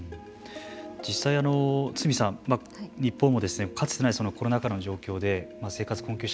実際、堤さん、日本もかつてないコロナ禍の状況で生活困窮者